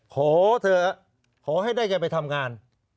ขอเธอขอให้ได้กันไปทำงาน